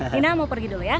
dina mau pergi dulu ya